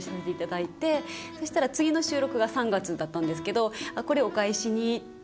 そしたら次の収録が３月だったんですけど「あっこれお返しに」って。